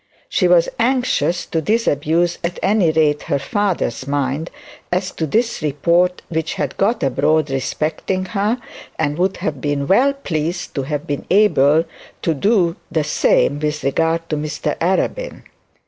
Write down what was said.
She was anxious to disabuse at any rate her father's mind as to this report which had got abroad respecting her, and would have been well pleased to have been able to do the same with regard to Mr Arabin.